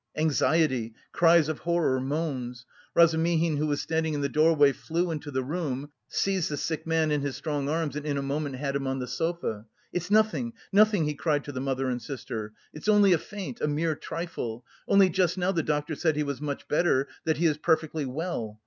Anxiety, cries of horror, moans... Razumihin who was standing in the doorway flew into the room, seized the sick man in his strong arms and in a moment had him on the sofa. "It's nothing, nothing!" he cried to the mother and sister "it's only a faint, a mere trifle! Only just now the doctor said he was much better, that he is perfectly well!